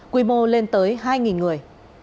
quy mô lên tới hai người